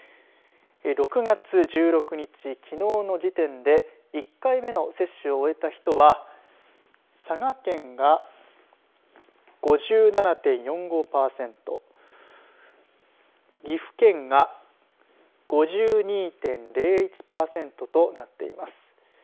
６月１６日きのうの時点で１回目の接種を終えた人は佐賀県が５７．４５パーセント岐阜県が５２．０１パーセントとなっています。